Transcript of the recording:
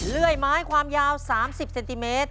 เลื่อยไม้ความยาว๓๐เซนติเมตร